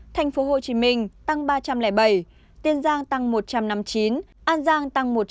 thành phố hồ chí minh tăng ba trăm linh bảy tiên giang tăng một trăm năm mươi chín an giang tăng một trăm linh